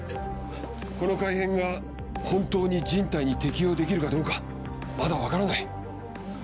この改変が本当に人体に適応できるかどうかまだ分からない。